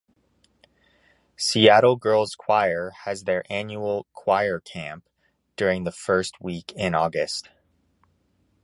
Seattle Girls Choir has their annual "Choir Camp" during the first weekend in August.